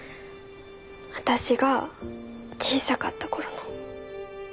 あたしが小さかった頃の。